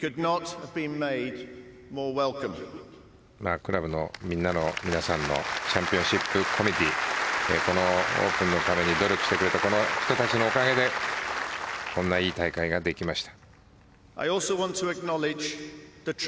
クラブの皆さんのチャンピオンシップコミッティーこのオープンのために努力してくれた人たちのおかげでこんないい大会ができました。